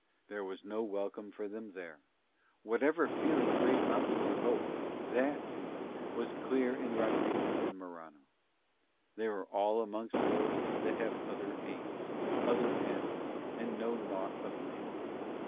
There was no welcome for them there: whatever feeling great mountains evoke, THAT feeling was clear in Rodriguez and Morano. They were all amongst those that have other aims, other ends, and know naught of man.